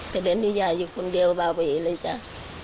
แต่เดินที่ยายอยู่คนเดียวเบาไปเลยจ้า